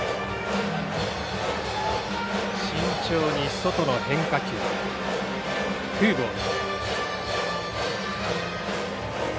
慎重に外の、ツーボール。